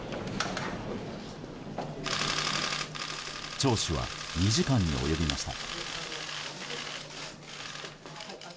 聴取は２時間に及びました。